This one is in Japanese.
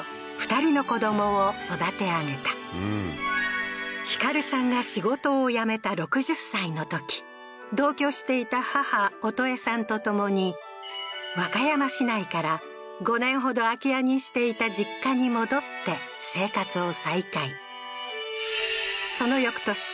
２人の子供を育て上げた光さんが仕事を辞めた６０歳のとき同居していた母音枝さんと共に和歌山市内から５年ほど空き家にしていた実家に戻って生活を再開その翌年